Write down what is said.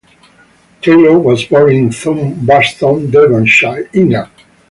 Taylor was born in Thurvaston, Derbyshire, England.